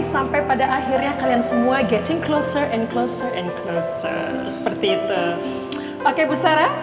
sampai pada akhirnya kalian semua getting closer and closer and closer seperti itu pakai besarnya